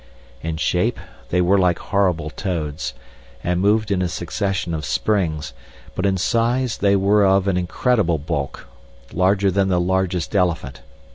In shape they were like horrible toads, and moved in a succession of springs, but in size they were of an incredible bulk, larger than the largest elephant.